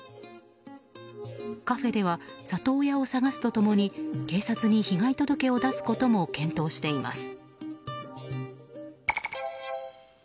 カフェでは里親を探すと共に警察に被害届を出すことも検討しています。